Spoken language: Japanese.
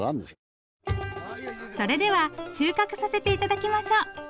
それでは収穫させて頂きましょう。